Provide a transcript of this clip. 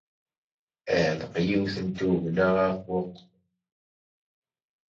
Iɛelleq yiwet n tugna ɣer uɣrab.